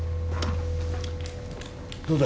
どうだ？